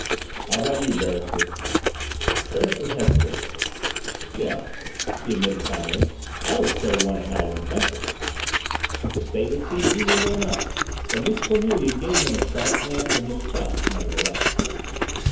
"How about you, Beresford?" Beresford hesitated. "Yes," he admitted finally. "Always carry one at night in the country." The statement seemed reasonable enough but Miss Cornelia gave him a sharp glance of mistrust, nevertheless.